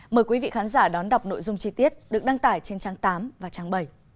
mời quý vị khán giả đón đọc nội dung chi tiết được đăng tải trên trang tám và trang bảy